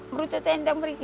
merucutnya seperti ini